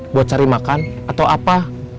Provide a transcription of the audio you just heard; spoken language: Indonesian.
buat cari makan atau apa